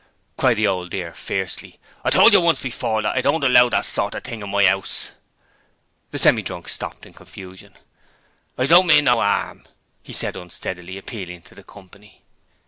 cried the Old Dear, fiercely. 'I told you once before that I don't allow that sort of thing in my 'ouse!' The Semi drunk stopped in confusion. 'I don't mean no 'arm,' he said unsteadily, appealing to the company.